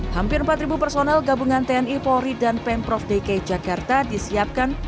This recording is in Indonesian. hampir empat personel gabungan tni polri dan pemprov dki jakarta disiapkan